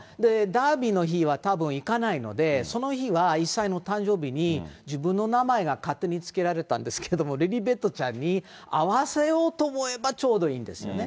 ダービーの日はたぶんいかないので、その日は１歳の誕生日に、自分の名前が勝手につけられたんですけど、リリベットちゃんにあわせようと思えばちょうどいいんですよね。